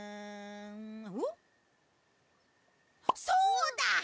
そうだ！